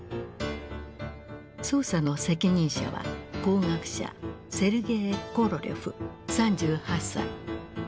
捜査の責任者は工学者セルゲイ・コロリョフ３８歳。